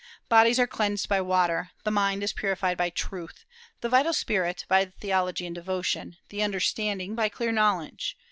Bodies are cleansed by water; the mind is purified by truth; the vital spirit, by theology and devotion; the understanding, by clear knowledge....